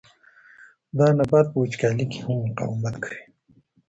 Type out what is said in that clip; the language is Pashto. دا نبات په وچکالۍ کې هم مقاومت کوي.